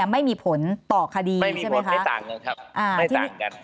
ไม่มีผลต่อคดีใช่ไหมคะไม่มีผลไม่ต่างเลยครับไม่ต่างกัน